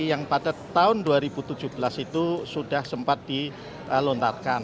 yang pada tahun dua ribu tujuh belas itu sudah sempat dilontarkan